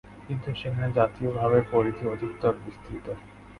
কিন্তু সেখানে জাতীয় ভাবের পরিধি অধিকতর বিস্তৃত।